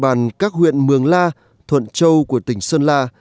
địa bàn các huyện mường la thuận châu của tỉnh sơn la